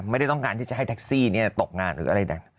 ไม่ได้ต้องการให้แท็กซี่ตกงานหรืออะไรเนี่ย